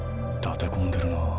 立て込んでるなあ。